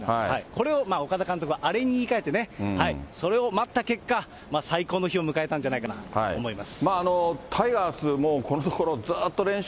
これを岡田監督は、アレに言い換えてね、それを待った結果、最高のきを迎えたんじゃないかなと思います。